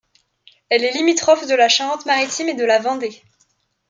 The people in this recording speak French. Elle est limitrophe de la Charente-Maritime et de la Vendée.